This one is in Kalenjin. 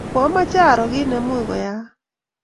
kiomeche aro kiit nemukuyak